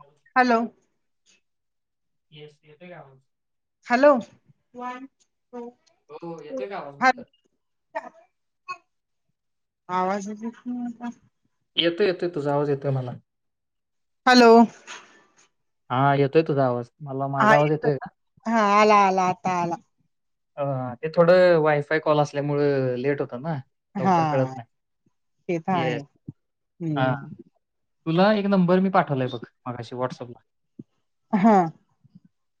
Hello. Hello. Yes. येतोय आवाज. Hello. फोनवर येतोय का आवाज म्हटलं? आवाज [unintelligible] येतो येतोय. तुझा आज येतोय मला. हॅलो. हा. येतोय तुझा आवाज. मला हा माझा आवाज येतोय का हा. आला आला आता आला. हं ते थोडं वायफाय कॉल असल्यामुळं, लेट होतं ना? हा लवकर कळत नाही. ते तर आहे येस. हा. हम्म तुला एक नंबर मी टाकलाय बघ, मगाशी व्हॉट्सअपला. हा.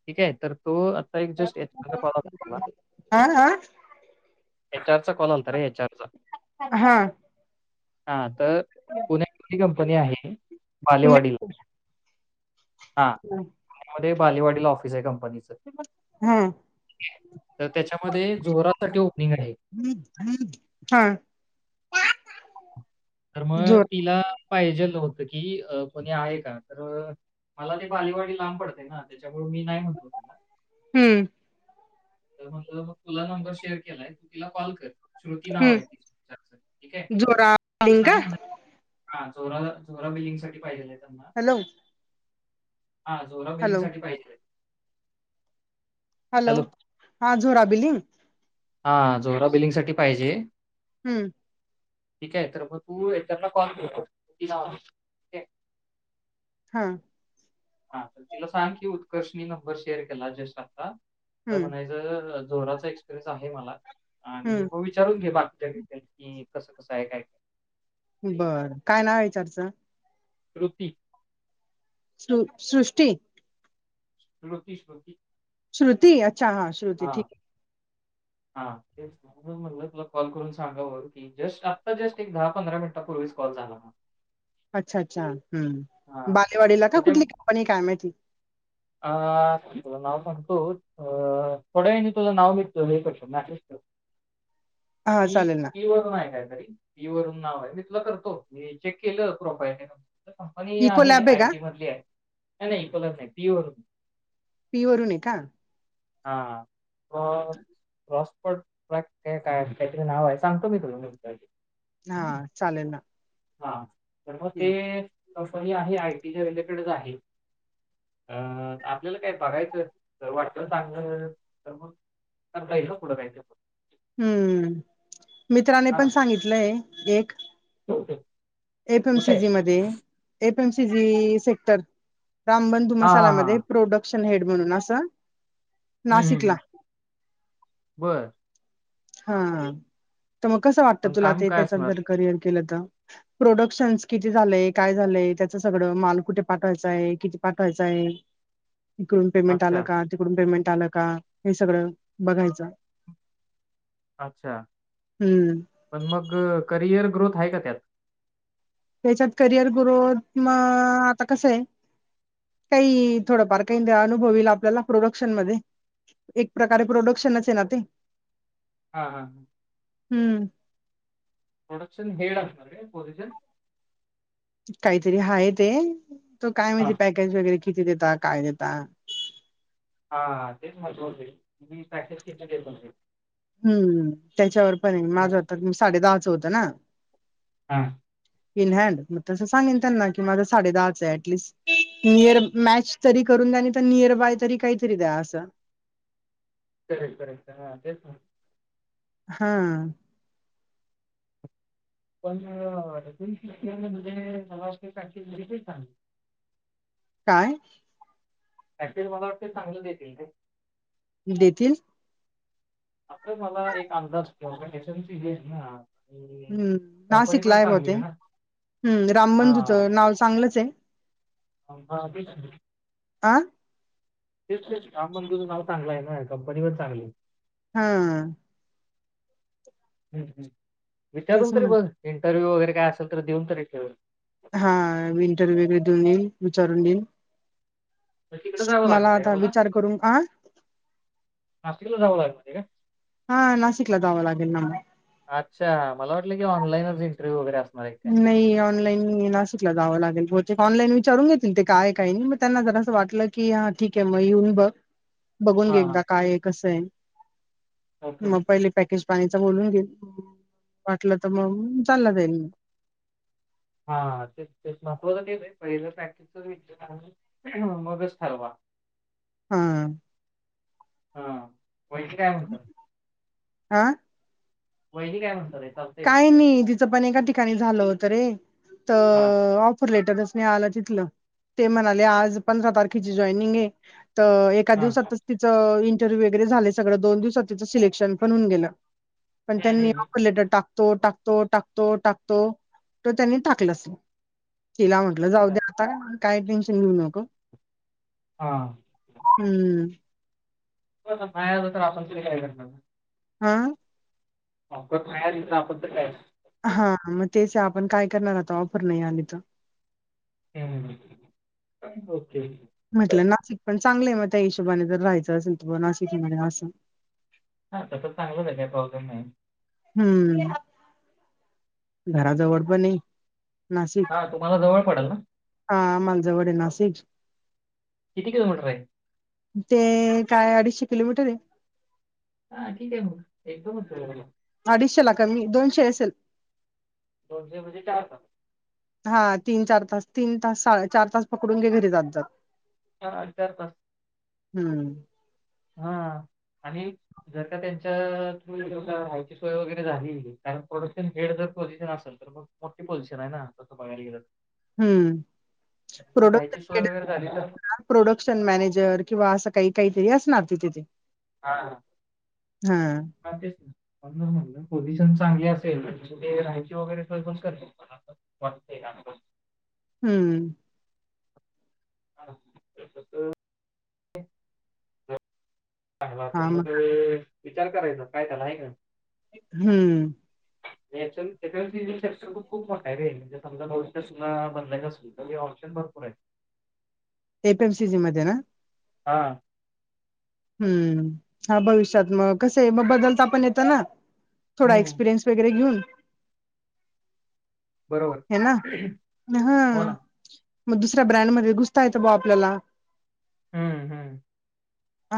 ठीक आहे. तर तो आता एक जस्ट [unintelligible] हा हा. एच आर च कोणालातरी विचार जा. हा. हा. तर, पुण्यातली कंपनी आहे पुन्हा बालेवाडीला. हा. बालेवाडीला ऑफिस आहे कंपनीच. हा तर त्याच्यामध्ये जोरासाठी ओपनिंग आहे. हम् हम्. हां. तर मग तिला पाहिजेलं होतं की कोणी आहे का? तर- मला ती बालेवाडी लांब पडते ना, त्याच्यामुळे मी नाही म्हटलो तिला. हम्म. [unintelligible] तुला नंबर शेअर केलाय तू तिला कॉल कर. श्रुती नाव हम्म आहे तिचं. ठीके. जोरा बिलिंग का सांग- हा. चोरा चोरा बिलिंग साठी पाहिजेल आहे त्यांना? हॅलो. हा जोरा हॅलो बिलिंगसाठी पाहिजेल्ये. हॅलो, हा झोराबिली. हा. हा. जोरा बिलिंग साठी पाहिजे. हम्म. ठीकाय, तर मग तू एकदा ना कॉल तर कर [unintelligible] हा. हा, तर तिला सांग की, उत्कर्षनी नंबर शेअर केला जस्ट आत्ता. तर हम्म म्हणाय तरं, झोराचा एक्स्पेरियन्स आहे मला आणि हम्म भविष्या विचारून घे [unintelligible] कि कसं -कसं आहे काय - काय? बरं, काय नाव विचारचं? रुती सृ सृष्टी. श्रुती, श्रुती श्रुती अच्छा हा, श्रुती ठीक आहे. हा तेच म - म्हणून म्हनलं तुला कॉल करून सांगावं की, जस्ट आता जस्ट, एक दहा - पंधरा मिनिटांपूर्वीच कॉल झाला माझा. अच्छा, अच्छा. हम्, हां, बालेवाडीला का? कुठली कंपनी काय माहिती? आं तुला नाव सांगतो, अ थोड्या वेळाने तुला नाव [unintelligible] हा पी, चालेल ना पी वरुन आहे काहीतरी. की वरून नाव आहे. मी तुला करतो, मी चेक केलं प्रोफाईल हे आणि ही इको आहे लॅब का आयटी मधली आहे. नाही नाही कलर नाही, पी वरून पी वरून आहे का? हा. हा क क्रॉस पट [unintelligible] काय, काय काहीतरी नाव आहे सांगतो मी तुला नंतर. हा, चालेल ना. हा, तर मग ते हम्म कंपनी आहे, आय टी च्या रिलेटेडच आहे. अ आपल्याला काय बघायचं, जर वाटलं चांगलं तर मग करता येईल हो. पुढं काय ते. हम्म. मित्राने पण सांगितलंय, एक. ओके. एफ एम सीजी मध्ये, F M CG sector. Rambandhu हा हा मसाला हा मध्ये प्रोडक्शन हेड म्हणून असं, हम्म हम्म नाशिकला. हम्म. बर. हा, तर मग कस वाटतं पण तुला काम ते, काय त्याच्यात असणार जर करिअर केलं तर. प्रोडक्शन्स किती झालेय? काय झालंय? त्याच सगळं माल कुठे पाठवायचाय? किती पाठवायचाय? [inaudible] इकडून पेमेंट आलं अच्छा का? तिकडून पेमेंट आलं का? हे सगळं बघायचं. अच्छा. हम्म. पण मग, करिअर ग्रोथ आहे का त्यात? त्याच्यात करिअर ग्रोथ म आता कस हाय. काही थोडं बारकाईने अनुभव येईल आपल्याला प्रोडक्शन मध्ये. एक हा प्रकारे प्रोडक्शनचय ना ते? हा, हा, हा. हम्म. प्रोडक्शन हेड असणार काय? पोझिशन. काहीतरी हाय ते, तो काय हा म्हणजे पॅकेज वगैरे किती देता? काय देता? हा हा तेचमहत्वाचे आहे की तुमी पॅकेज किती देतो ते. हम्म, त्याच्यावर पण आहे, माझं हम्म. आता साडे दहाच होतं ना. हा. In hand. मग तसं सांगन त्यांना की, माझं साडे दहाचं आहे. ऍटलीस्ट नियर मॅच तरी करून द्या, नाही तर नियर बाय तरी काहीतरी द्या असं कररेट करेक्ट हा तेच हा. पण म्हणजे नवाज का घरी [unintelligible] काय? [unintelligible] मला वाटते चांगलं देतील ते. देतील? आ मला एक अंदाज के एस एमसी हेज ना. आणि हम्म कंपनी नाशिकला पण भाव चांगली ते आहे ना. हम्म हा रामबंधूचं नाव चांगलंच आहे. [unintelligible] आं तेच, तेच. रामबंधूचं नाव चांगलंय ना. कंपनी पण चांगलीय. हा. हम्, हम्म. विचारून तेच तरी म्हण बघ. इंटरव्हू वगैरे काय असल तर, देऊन तरी ठेव. हा इंटरव्ह देऊन येईन विचारून देईन. मग तिकडं जावं लागणार आहे का आता तूला? विचार करून आ नाशिक ला जावं लागतेय का? हा. नाशिकला जावा लागेल ना मला. अच्छ! मला वाटलं की ऑनलाईनच इंटरव्ह्यू वगैरे अस नाही ऑनलाईन ना त जाव लागेल ऑनलाईन विचारून घेतील ते काय काही नाही मग त्यांना जरा असं वाटलं की ह ठीक आहे मग येऊन बघ. [unintelligible] बघून घे एकदा हा काय आहे? कस आहे ओके मग पहिले पॅकेज पाणीचा बोलून घे वाटलं तर मग चालला जाईल म हा ते तेच महत्त्वाचं तेच आहे पहिलं पॅकेज व मगच ठरवा. हा. हा वहिनी काय म्हणता? आं- वहिनी काय नंतर म्हणतात. काय नाही तिचं पण एका ठिकाणी झालं होतं रे हा तर ऑफर लेटरच आला नाही तिथल ते म्हणाले आज पंधरा तारखेची जाॅईनिंग आहे. एका हा दिवसातच तिचं इंटरव्ह्यू वगैरे झाले सगळं दोन दिवसात तिचं सिलेक्शन पण होऊन गेलं. पण हम्म, त्यांनी हम्म. ऑफर लेटर टाकतो, टाकतो, टाकतो, टाकतो तो त्यांनी टाकलंच नाही. तिला म्हटलं जाऊ अच्छा दे् आता काय टेन्शन घेऊ नको. हां. हम्म. तर पुढे काय करणार? हम. ऑफर लेटर आलं नाही तर आपण तर काय करणार. हा मग तेच आपण काय करणार आता ऑफर नाही आली तर ह ओके [unintelligible] म्हटलं नाशिक पण चांगलं आहे मग त्या हिशोबाने तर राहायचं असेल तर ब नाशिकि असं हा त्यास चांगलंच आहे काही प्रॉब्लेम नाही. हम्म घराजवळ पण ये हा तुम्हाला जवळ पडेल ना. हा आम्हाला जवळ आहे नाशिक. किती किलोमीटर आहे? ते काय अडीचशे किलोमीटर आहे. हा ठीक का आहे म एकदम तो अडीचशे ला कमी दोनशे असेल दोनशे म्हजे हा तीन चार तास तीन तास चार तास पकडून घे घरी जात जात दहा हजार पास. हम्म हा आणि. जर का त्यांच्या थ्रू का राहायची सोय वगैरे झाली कारण प्रोडक्शन हेड जर पोझिशन असेल तर. मोठी पोझिशन आहे ना तस बगायला गेलं. हम्म जर प्रोडक्ट राहायची सोय वगैरे झाली तर [unintelligible] प्रोडक्शन मॅनेजर किंवा असं काही काहीतरी असणार ते तिथे. हां ह. हा ह तेच ना, म्हणून च म्हणलं, पोझिशन चांगली असेल, कुठे राहायची वगैरे सोय पण करतील मला. म [unintelligible] हम्म. ह [inaudible] ह तर मग विचार करायचा काय त्याला आहे का? हम्म. खूप मोठा आहेे रे समजा बयच [inaudible] खाली ऑप्शन बघ कुडय. ए फे एम सी सी मध्ये ना. हां. हम्म, हा भविष्यात म कसय म बदलता पण येतं ना, थोडा हम्म एक्सपिरियन्स वगैरे घेऊन. बरोबर हे ना, ह, हो ना म दुसऱ्या ब्रँड मध्ये घुसता येतं बा आपल्याला. हम्म हम्म.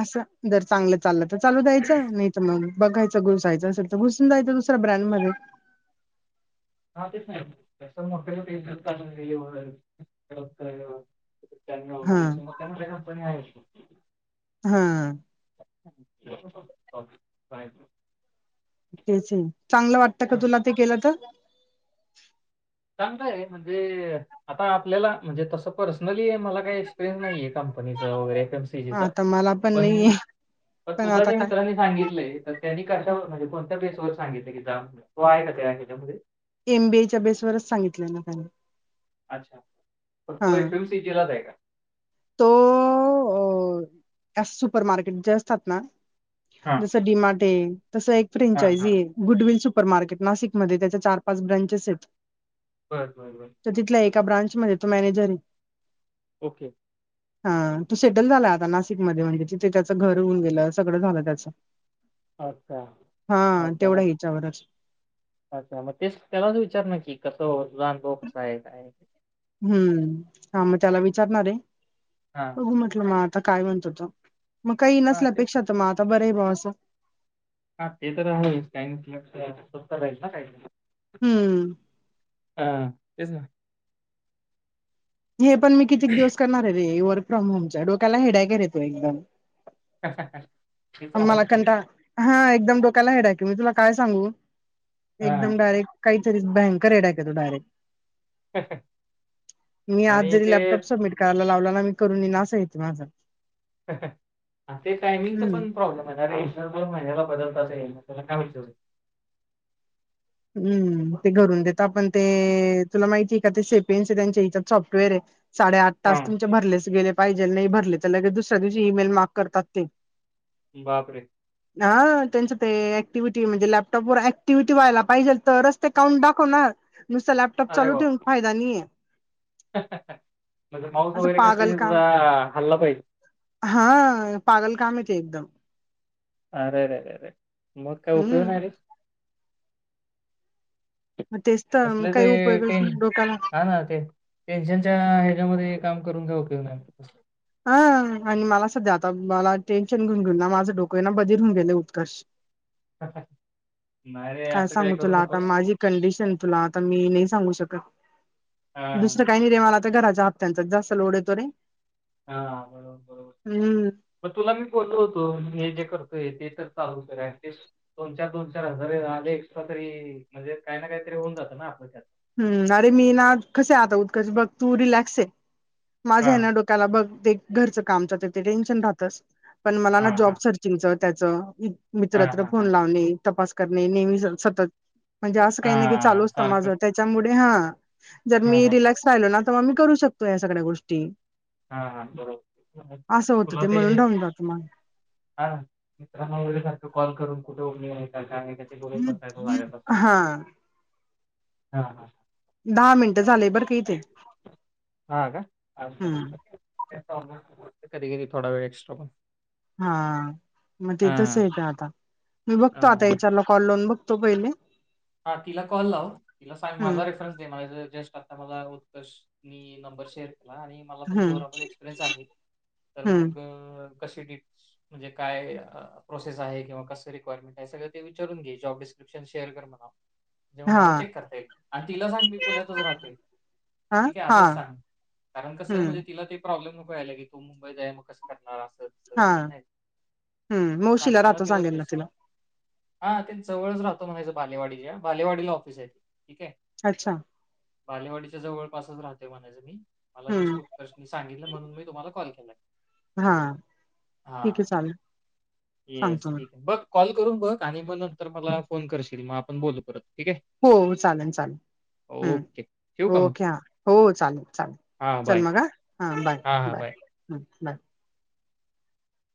असं, जर चांगलं चाललं तर चालू द्यायचं, नाही त मग बघायचं घुसायचं असेल त, घुसून जायच दुसऱ्या ब्रँड मध्ये. ह तेच ना, मोठे मोठे [inaudible] त्यांवर मग हा मोठ्या मोठ्या कंपन्या आहेत म. ह. Okay bye. [unintelligible] तेचे, चांगलं वाटतं का तुला ते केलं त? चांगलये म्हणजे आता आपल्याला, म्हणजे तसं पर्सनली मला काही एक्सपिरियन्स नाहीये, कंपनीच वगैरे, ते आता मला पण नाहीये पण तुला आता ज्या काय मित्रांने सांगितलेय, तर त्यांनी कशावर म्हणजे कोणत्या बेस वर सांगितलं की जा अस, तो आहे का त्या ह्याच्या मध्ये. एम बी एच्या बेसवरच सांगितलं ना त्यांनी. अच्छा, तर तो एक [unintelligible] का? तो अस सुपर मार्केट जे असतात ना, हां. जसं डी मार्टे, तसं एक हां, हां. फ्रेंचायजीये. गुडविल सुपर मार्केट, नाशिकमध्ये त्याच्या चार पाच ब्रांचेसेत. बरं, बरं, बरं. त तिथल्या एका तसं. ब्रांचमध्ये तो मॅनेजरे. ओके. हा, तो सेटल झालाय आता नाशिक मध्ये, म्हणजे तिथे त्याचं घर होऊन गेलं, सगळं झालं त्याच. अच्छा ह, अच्छा तेवढा मग याच्यावरच. अच्छा, म तेच, त्यालाच विचार ना की कस ओ तुझा अनुभव कसाये काये? हम्म, हा म त्याला विचारणारे. हा. म्हटलं म आता काय म्हणतो तो, मग काही हां, तेच नसल्यापेक्षा ना. त म आता बरं बा असं. हा ते तर आहेच, काही नसल्या पेकक्षा स्तत राहील ना काही तरी. हम्म ह, तेच ना. हे पण मी कितीक दिवस करणारे रे, हे वर्क फ्रॉम होम च, डोक्याला हेडाकेरे तो एकदम. ह ह ह [unintelligible] मला कंटाळा, हा एकदम डोक्यायला हेडॉके मी तुला काय सांगू, हा एकदम डायरेक्ट काहीतरी भयंकर हेडॉक येतो डायरेक्ट. मी आज आणि जरी, ते लॅपटॉप सबमिट करायला लावला ना, मी करून येईन असते मा काम. ते टायमिंगचा हम्म पण प्रॉब्लेमे ना रे. दर दोन महिन्याला बदलताच येई ना, त्याला काय होईल तेवढे. हम्म ते घरून देत आपण ते तुला माहिती आहे का ते शेपिनस त्यांच्या हच्यात सॉफ्टवेअर आहे साडेआठ तास हां, तुमचे भरलेच गेले पाहिजे नाही भरले तर लगेच दुसऱ्या दिवशी ई मेल मार्क करतात ते. बाप रे. हा त्यांचं ते एक्टिव्हटी म्हणजे लॅपटॉपवर ऍक्टिव्हटी व्हायला पाहिजेल तरच ते काउूट दाखवणार नुसत लॅपटॉप अरे चालू ठेवून बापरे! फायदा नाहीय. म्हणजे, माऊस वगैरे कस पागल काम सुधा हल्ला पाहिजे. हा, पागल कामे ते एकदम. अ, रे, रे, रे रे मग काय उपयोग हम्म नाय रे. म तेच तर मग कसले ते काही उपयोगच टेन, नाही डोक्याला हा ना ते. टेन्शनच्या हच्यामध्ये काम करून काय उपयोग नाही म हा आणि मला सध्या आता मला टेन्शन घेऊन घेऊन ना माझं डोकं आहे ना बधर होऊन गेले उत्कर्ष [unintelligible] काय असं काही सांगू करू तुला आता नकोस. माझी कंडिशन तुला आता मी नाही सांगू शकत हां, दुसरं काही [unintelligible] तर घराच्या हप्त्यांचा जास्त लोड येतो नाही हा बरोबर बरोबर हम्म मग तुला मी बोलतो होतो हे जे करतोय ते तर चालू करा तेच दोन चार दोन चार हजार आले एक तरी म्हणजे काही ना काहीतरी होऊन जातं ना आपलं त्यात हम् अरे मी ना कसे आता उतकाच बघ तू रिलॅक्स आहे माझा आहे ना हां, ड ब ते घरच काम ते टेनशन राहत पण मला ना हां, जाॅब हां. त्याच हां, मित्त्र हां, फोन हां. लावणे तपास करणे नेहमी सतत म्हणजे असं काही नाही की हां, चालू असत सारखं. माझं त्याच्यामुळे हा जर मी हां, हां, हां. रिलॅक्स राहिलो ना तर मग मी करू शकतो या सगळ्या गोष्टी हा हा बरोबर असं होतं तुला ते म्हणून राहून जातो मग हा ना मित्रां वगैरे सारख कॉल करून कुठे उघ नाही का नाही बोलत बसायचे माझ्या बद्दल हा हां हां दहा मिनट झाले बर का इथे हम्म कधी कधी थोडा वेळ एक्स्ट्रा पण हां म ते तस हां, हाय का आता मी बघतो हां, आता हां. चार लोकावाला लावून बघतो पहिले हा तिला कॉल लाव तिला सांग माझा हम्म रेफरन्स दे मला जस्ट मला उत्कर्ष नंबर शेअर केला आणि म प हम्म जोरामध्ये एक्सपरयस आहे तर हम्म मग क म्हणजे काय प्रोसेस किंवा कं रिक्वायरमेंट आहे सगळं ते विचारून घे जॉब शेअ कर म्हणा जेव्हा हा मला चेक करता येईल आणि तिला सांग मी पुण्यातच राहतोय हा ठीक आहे हा असंच सांग कारण कसं आहे हम्म म्हणजे तिला ते प्रॉब्लेम नको यायला की तू मुंबईत आहे मग कसं करणार असं तसं. हा नाही हम्म मावशीला राहतो सांगेल ना तिला हा ते जवळच राहतो म्हणाच बालेवाडी बालेवाडीला ऑफिस आहे त ठीके आहे अच्छा बालेवाडीच्या जवळपासच राहते म्हणायचं मी मला हम्म जस्ट की सांगितलं म्हणून मी तुम्हाला कॉल केला हा ठीक आहे हा चालेल येस सांगतो मी ठीक आहे बघ कॉल करून बघ आणि मग नंतर मला फोन करशील मग आपण बोलू परत ठीक आहे हो चालेल चालेल ओके. ठेवू हम्म का मग? ओके हा हो चालेल चालेल हां चल बाय. मग हा बाय हां, हां बाय बाय